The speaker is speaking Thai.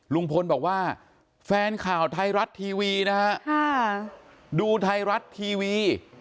ลุงพลบอกว่าแฟนข่าวไทยรัฐทีวีนะฮะดูไทยรัฐทีวี